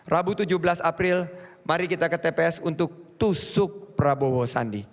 rabu tujuh belas april mari kita ke tps untuk tusuk prabowo sandi